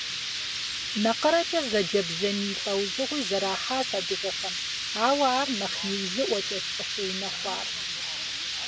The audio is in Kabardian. НакъырэкӀэ зэджэ бжьамий лӀэужьыгъуи зэрахьащ адыгэхэм, ауэ ар нэхъ иужьыӀуэкӀэщ къыщыунэхуар.